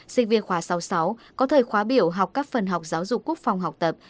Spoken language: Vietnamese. sinh viên khóa sáu mươi sáu có thời khóa biểu học các phần học giáo dục quốc phòng học tập